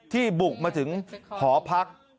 บุกมาถึงหอพัก